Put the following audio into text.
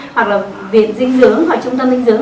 hoặc là viện dinh dưỡng hoặc trung tâm dinh dưỡng